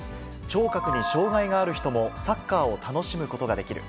聴覚に障がいがある人もサッカーを楽しむことができる。